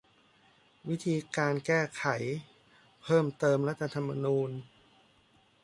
วิธีการแก้ไขเพิ่มเติมรัฐธรรมนูญ